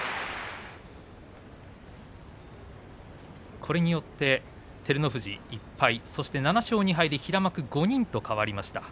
これによって照ノ富士１敗７勝２敗で平幕５人と変わりました。